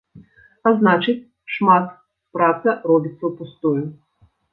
А значыць, шмат праца робіцца ўпустую.